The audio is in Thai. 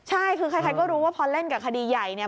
ใช่คือใครก็รู้ว่าพอเล่นกับคดีใหญ่เนี่ย